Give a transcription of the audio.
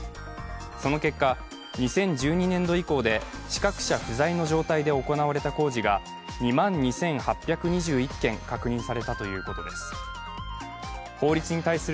その結果、２０１２年度以降で資格者不在の状態で行われた工事が２万２８２１件確認されたということです。